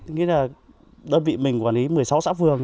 nghĩa là đơn vị mình quản lý một mươi sáu xã phường